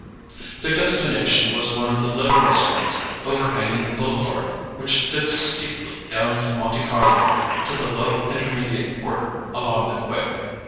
Their destination was one of the little restaurants overhanging the boulevard which dips steeply down from Monte Carlo to the low intermediate quarter along the quay.